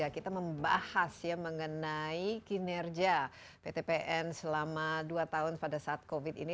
kita membahas mengenai kinerja pt pn selama dua tahun pada saat covid ini